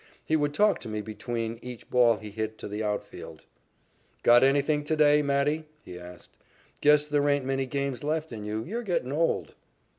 He would talk to me between each ball he hit to the outfield. "Got anything to day, Matty?" he asked. "Guess there ain't many games left in you. You're getting old."